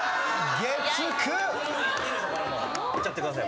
月９。いっちゃってください。